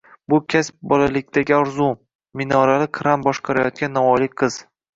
“Bu kasb – bolalikdagi orzum” - minorali kran boshqarayotgan navoiylik qiz